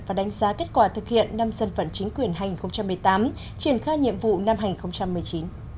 và đánh giá kết quả thực hiện năm dân vận chính quyền hành một mươi tám triển khai nhiệm vụ năm hai nghìn một mươi chín